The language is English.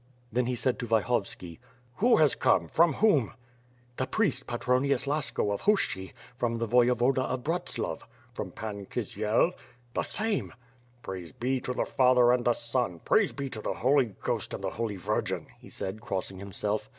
Then he said to Vyhovski: "Who has come? From whom?" "The priest, Patronius Lasko of Hushchy, from the Voye voda of Bratslav." "From Pan Kisiel?" "The same!" "Praise be to the Father and the Son, praise be to the Holy Ghost and the Holy Virgin," he said crossing himself.